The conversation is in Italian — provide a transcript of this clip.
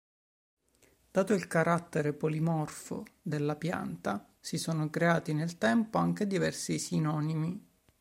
Dato il carattere polimorfo della pianta si sono creati nel tempo anche diversi sinonimi.